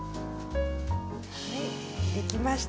はい出来ました。